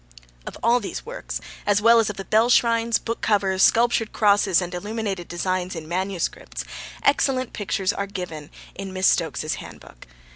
Of all these works, as well as of the bell shrines, book covers, sculptured crosses and illuminated designs in manuscripts, excellent pictures are given in Miss Stokes's handbook.